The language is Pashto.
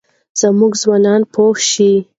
زموږ ځوانان پوه شي.